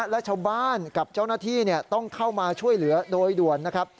และชาวบ้านกับเจ้าหน้าที่ต้องเข้ามาช่วยเหลือโดยด่วนนะครับ